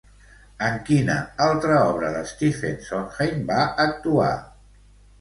En quina altra obra de Stephen Sondheim va actuar?